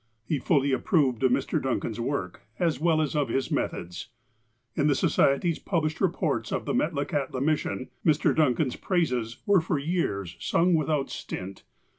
He fully approved of Mr. Duncan's work, as well as of his methods. In the Society's pub lished reports of the Metlakahtla mission, Mr. Duncan's praises were for years sung without stint.